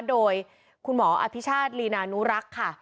โดยคุณหมออภิชาติลีนานุรักษ์ค่ะ